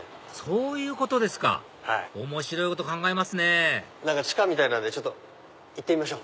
そういうことですか面白いこと考えますね地下みたいなので行ってみましょ。